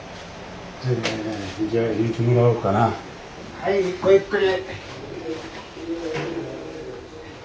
はいごゆっくり。